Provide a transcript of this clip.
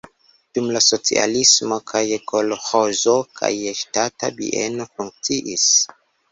Dum la socialismo kaj kolĥozo, kaj ŝtata bieno funkciis.